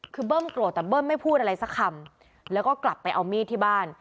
คือเบิ้มโกรธแต่เบิ้มไม่พูดอะไรสักคำแล้วก็กลับไปเอามีดที่บ้าน